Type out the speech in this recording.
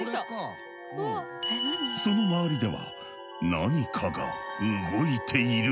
その周りでは何かが動いている。